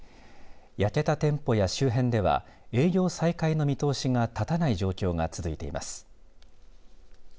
焼けた店舗や周辺では営業再開の見通しが立たない状況が続いています。